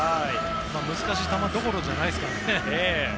難しい球どころじゃないですからね。